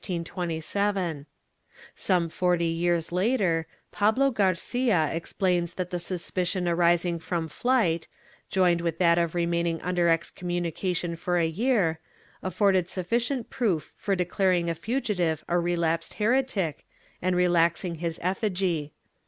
^ Some forty years later, Pablo Garcia explains that the suspicion arising from flight, joined with that of remaining under excommunication for a year, afforded sufficient proof for declaring the fugitive a relapsed heretic and relaxing his effigy.